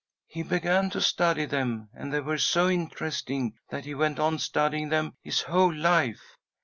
He began to study them, and they were so interesting that he went on studying them his whole life.